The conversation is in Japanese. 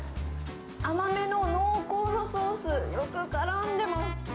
甘めの濃厚なソース、よくからんでます。